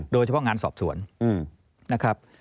โดยเฉพาะงานสอบสวนนะครับ